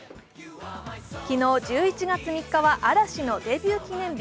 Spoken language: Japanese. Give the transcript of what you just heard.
昨日、１１月３日は嵐のデビュー記念日。